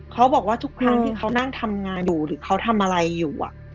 เขาบอกว่าทุกครั้งที่เขานั่งทำงานอยู่หรือเขาทำอะไรอยู่